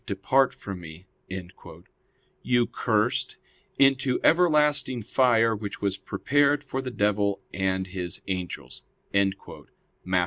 'Depart from Me'], you cursed, into everlasting fire, which was prepared for the devil and his angels" (Matt.